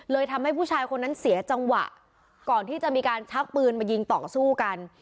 ทำให้ผู้ชายคนนั้นเสียจังหวะก่อนที่จะมีการชักปืนมายิงต่อสู้กัน